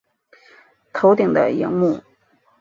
头顶的萤幕